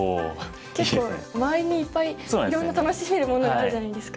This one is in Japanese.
結構周りにいっぱいいろいろ楽しめるものがあるじゃないですか。